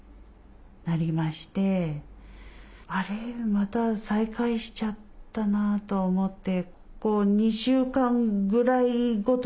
また再開しちゃったなと思って。